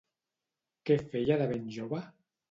Què feia de ben jove?